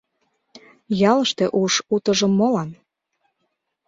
Ялыште уш утыжым молан?